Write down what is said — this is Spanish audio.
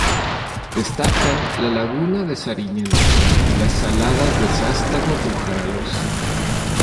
Destacan la Laguna de Sariñena y las Saladas de Sástago-Bujaraloz.